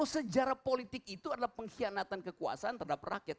sejarah politik itu adalah pengkhianatan kekuasaan terhadap rakyat